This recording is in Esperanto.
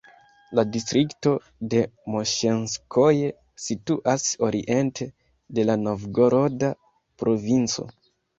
La distrikto de Moŝenskoje situas oriente de la Novgoroda provinco.